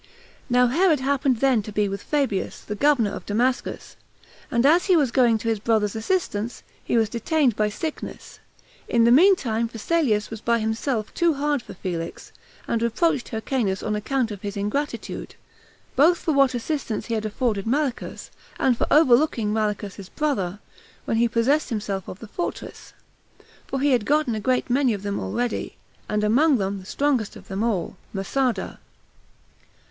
Now Herod happened then to be with Fabius, the governor of Damascus, and as he was going to his brother's assistance, he was detained by sickness; in the mean time, Phasaelus was by himself too hard for Felix, and reproached Hyrcanus on account of his ingratitude, both for what assistance he had afforded Malichus, and for overlooking Malichus's brother, when he possessed himself of the fortresses; for he had gotten a great many of them already, and among them the strongest of them all, Masada.